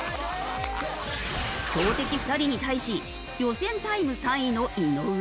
強敵２人に対し予選タイム３位の井上。